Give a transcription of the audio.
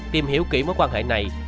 tìm hiểu kỹ mối quan hệ này